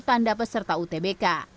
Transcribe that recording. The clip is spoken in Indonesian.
tanda peserta utbk